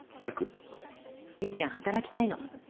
結ちゃん働きたいの。